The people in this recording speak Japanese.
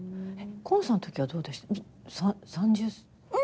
河野さんのときはどうでした？